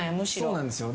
そうなんですよ。